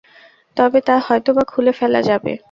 তবে তা হয়তো-বা খুলে ফেলা যাবে।